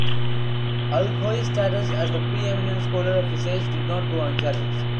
Al-Khoei's status as the pre-eminent scholar of his age did not go unchallenged.